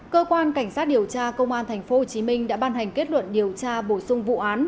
cơ quan cảnh sát điều tra công an tp hcm đã ban hành kết luận điều tra bổ sung vụ án